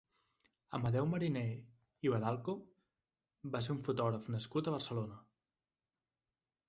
Amadeu Mariné i Vadalaco va ser un fotògraf nascut a Barcelona.